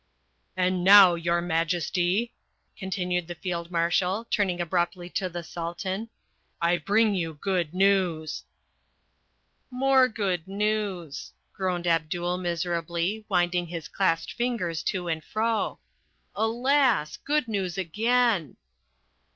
"And now, your majesty," continued the Field Marshal, turning abruptly to the Sultan, "I bring you good news." "More good news," groaned Abdul miserably, winding his clasped fingers to and fro. "Alas, good news again!"